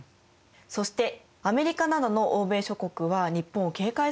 そしてアメリカなどの欧米諸国は日本を警戒するようになります。